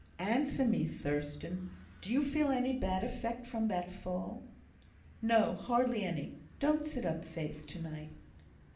"Answer me, Thurstan. Do you feel any bad effect from that fall?" "No, hardly any. Don't sit up, Faith, to night!"